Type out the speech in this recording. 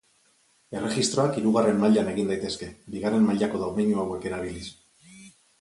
Erregistroak hirugarren mailan egin daitezke, bigarren mailako domeinu hauek erabiliz.